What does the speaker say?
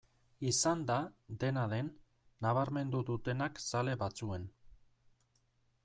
Izan da, dena den, nabarmendu dutenak zale batzuen.